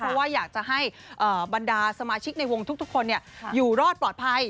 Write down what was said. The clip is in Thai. เพราะว่าอยากจะให้บรรดาสมาชิกในวงทุกคนอยู่รอดปลอดภัย